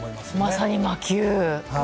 まさに魔球。